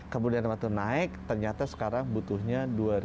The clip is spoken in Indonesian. kemudian waktu naik ternyata sekarang butuhnya dua ribu dua ratus